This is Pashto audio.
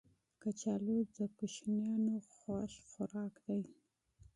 کچالو د ماشومانو خوښ خوراک دی